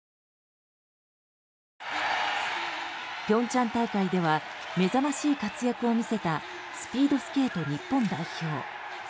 平昌大会では目覚ましい活躍を見せたスピードスケート日本代表。